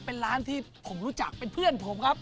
เป็นร้านที่ผมรู้จักเป็นเพื่อนผมครับ